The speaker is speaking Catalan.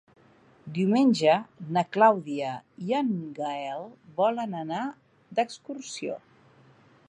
Diumenge na Clàudia i en Gaël volen anar d'excursió.